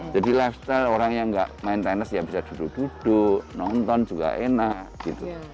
jadi lifestyle orang yang gak main tenis ya bisa duduk duduk nonton juga enak gitu